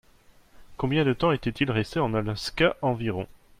Combien de temps était-il resté en Alaska environ ?